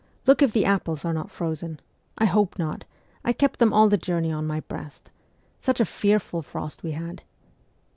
Look if the apples are not frozen. I hope not : I kept them all the journey on my breast. Such a fearful frost we had.'